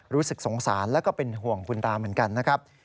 รู้สึกสงสารแล้วก็เป็นห่วงคุณตาเหมือนกันนะครับ